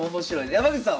山口さんは？